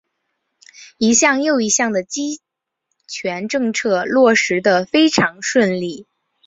一项又一项的极权政策落实得非常顺利。